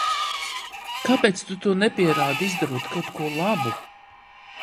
Kāpēc tu to nepierādi, izdarot kaut ko labu?